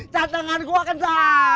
catangan gue kena